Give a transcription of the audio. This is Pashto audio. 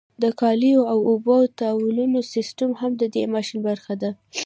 د کالیو او اوبو د تاوولو سیستم هم د دې ماشین برخه ده.